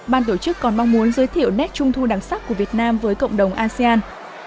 ban tổ chức còn mong muốn giới thiệu nét trung thu đặc sắc của việt nam với cộng đồng asean